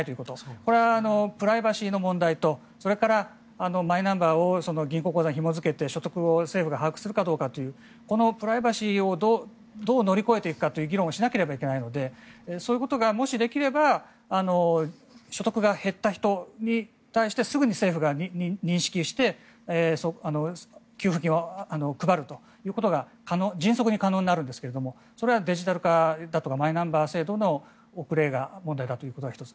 これはプライバシーの問題とそれからマイナンバーを銀行口座にひも付けて所得を政府が把握するかというこのプライバシーをどう乗り越えていくかという議論をしなければいけないのでそういうことがもしできれば所得が減った人に対してすぐに政府が認識して給付金を配るということが迅速に可能になるんですがそれはデジタル化だとかマイナンバー制度の遅れが問題だというのが１つ。